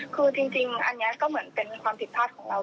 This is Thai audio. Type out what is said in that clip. คือจริงอันนี้ก็เหมือนเป็นความผิดพลาดของเรา